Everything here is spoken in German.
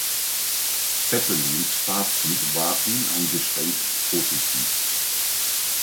Zeppelins Fazit war uneingeschränkt positiv.